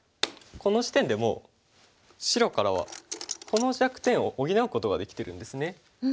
この時点でもう白からはこの弱点を補うことができてるんですね。